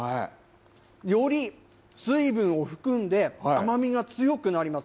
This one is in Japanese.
より水分を含んで甘みが強くなります。